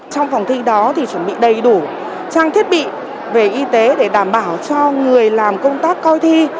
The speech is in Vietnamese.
trong phòng thi đó thì chuẩn bị đầy đủ trang thiết bị về y tế để đảm bảo cho người làm công tác coi thi